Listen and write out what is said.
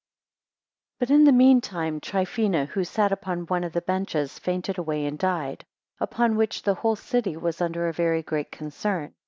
14 But in the mean time Trifina, who sat upon one of the benches, fainted away and died; upon which the whole city was under a very great concern.